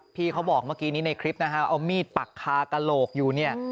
พี่เขาบอกเมื่อกี้นี้ในคลิปนะฮะเอามีดปักคากระโหลกอยู่เนี่ย